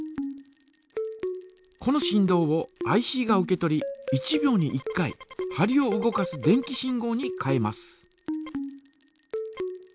この振動をＩＣが受け取り１秒に１回針を動かす電気信号に変えます。